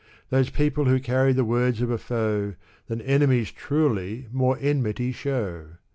Those people who carry the words of a foe. Than enemies, truly, more enmity show.